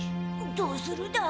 どうするだ？